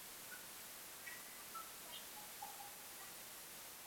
মাশরাফিকে সেরা অবস্থায় কোয়ার্টার ফাইনালে পেতে তাঁকে বিশ্রাম দেওয়াটাই কাল ঠিক হয়েছে।